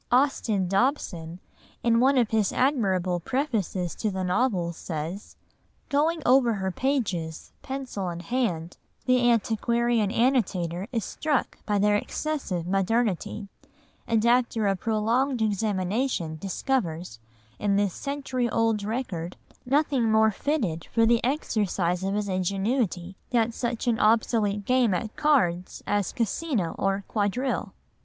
Austin Dobson in one of his admirable prefaces to the novels says: "Going over her pages, pencil in hand, the antiquarian annotator is struck by their excessive modernity, and after a prolonged examination discovers, in this century old record, nothing more fitted for the exercise of his ingenuity that such an obsolete game at cards as 'Casino' or 'quadrille.